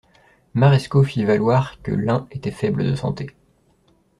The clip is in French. Marescot fit valoir que l'un était faible de santé.